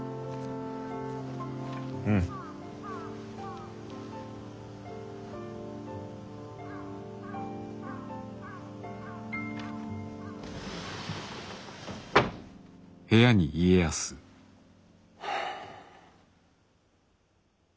うん。はあ。